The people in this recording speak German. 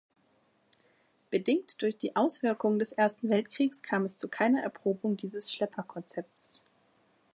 Bedingt durch die Auswirkungen des Ersten Weltkriegs kam es zu keiner Erprobung dieses Schlepper-Konzeptes.